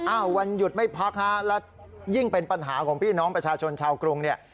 วันหยุดไม่พักฮะแล้วยิ่งเป็นปัญหาของพี่น้องประชาชนชาวกรุงเนี่ย